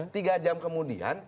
tiga jam kemudian